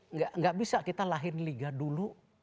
nggak bisa kita lahir liga dulu